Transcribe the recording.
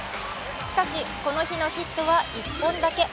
しかし、この日のヒットは１本だけ。